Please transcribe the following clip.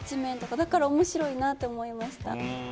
だから面白いなと思いました。